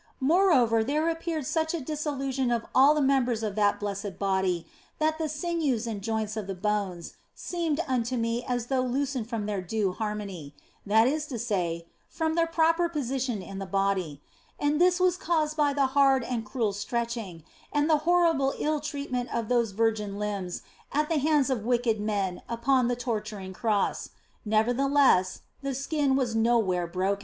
Moreover, there appeared such a dissolution of all the members of that blessed body that the sinews and joints of the bones seemed unto me as though loosened from their due harmony that is to say, from their proper position in the body ; and this was caused by the hard and cruel stretching and the horrible ill treatment of those virgin limbs at the hands of wicked men upon the torturing Cross ; nevertheless, the skin was nowhere broken.